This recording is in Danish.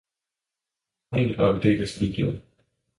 Han var helt og aldeles ligeglad.